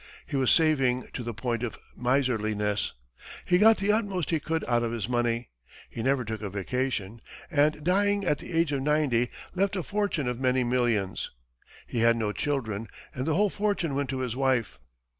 He was saving to the point of miserliness; he got the utmost he could out of his money; he never took a vacation and dying, at the age of ninety, left a fortune of many millions. He had no children and the whole fortune went to his wife.